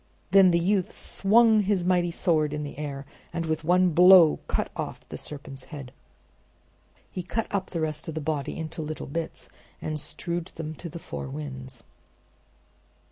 Then the youth swung his mighty sword in the air, and with one blow cut off the serpent's head. He cut up the rest of the body into little bits and strewed them to the four winds.